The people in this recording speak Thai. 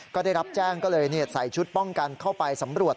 ก็ได้รับแจ้งก็เลยใส่ชุดป้องกันเข้าไปสำรวจ